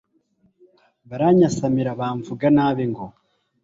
baranyasamira bamvuga nabi ngo